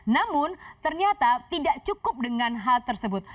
namun ternyata tidak cukup dengan hal tersebut